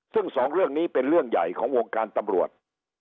ซึ่งสองเรื่องนี้เป็นเรื่องใหญ่ของวงการตำรวจ